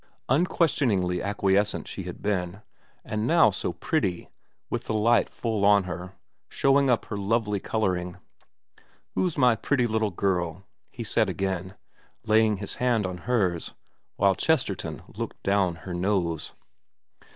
Unquestioningiy acquiescent she had been ; and now so pretty, with the light full on her, showing up her lovely colouring. * Who's my pretty little girl,' he said again, laying his hand on hers, while Chesterton looked down her nose.